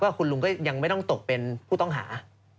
คุณลุงก็ยังไม่ต้องตกเป็นผู้ต้องหา